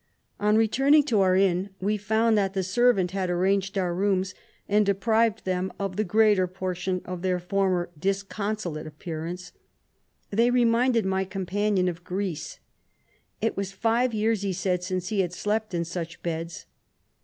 On returning to our inn, we found that the servant had arranged our rooms, and deprived them of the greater por tion of their former disconsolate appear ance. They reminded my companion of Greece : it was five years, he said, since he had slept in such beds.